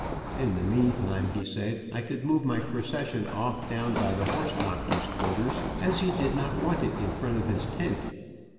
In the meantime, he said, I could move my procession off down by the horse doctor's quarter's, as he did not want it in front of his tent.